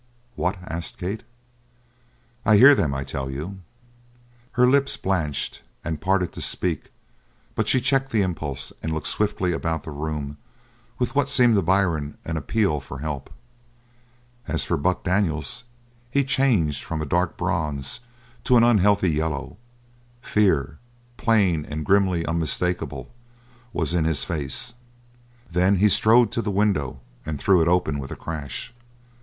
"What?" asked Kate. "I hear them, I tell you." Her lips blanched, and parted to speak, but she checked the impulse and looked swiftly about the room with what seemed to Byrne an appeal for help. As for Buck Daniels, he changed from a dark bronze to an unhealthy yellow; fear, plain and grimly unmistakable, was in his face. Then he strode to the window and threw it open with a crash.